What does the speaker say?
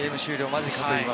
間近